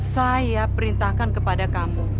saya perintahkan kepada kamu